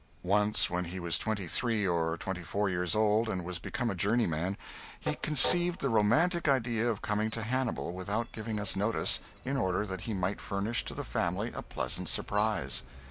Once when he was twenty three or twenty four years old, and was become a journeyman, he conceived the romantic idea of coming to Hannibal without giving us notice, in order that he might furnish to the family a pleasant surprise.